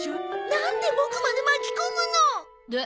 なんでボクまで巻き込むの！